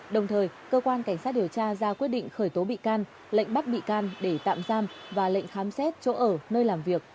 đồng thời cơ quan cảnh sát điều tra ra quyết định khởi tố bị can lệnh bắt bị can để tạm giam và lệnh khám xét chỗ ở nơi làm việc